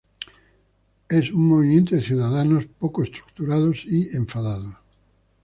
es un movimiento de ciudadanos pocos estructurados y enfadados